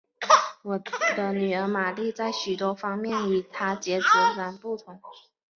我的女儿玛丽在许多方面与她则截然不同。